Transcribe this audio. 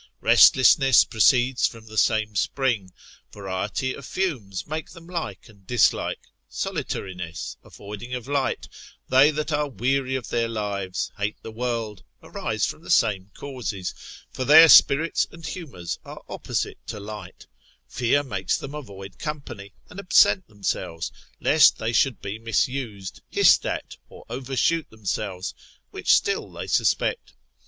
Restlessness proceeds from the same spring, variety of fumes make them like and dislike. Solitariness, avoiding of light, that they are weary of their lives, hate the world, arise from the same causes, for their spirits and humours are opposite to light, fear makes them avoid company, and absent themselves, lest they should be misused, hissed at, or overshoot themselves, which still they suspect.